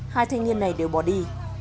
hai thanh niên này đều bỏ đi